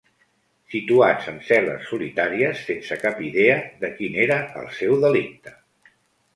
Situats en cel·les solitàries, sense cap idea de quin era el seu delicte.